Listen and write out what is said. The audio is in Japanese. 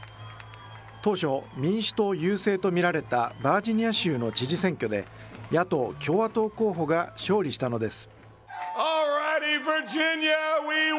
当初、民主党優勢と見られたバージニア州の知事選挙で、野党・共和党候補が勝利したのです。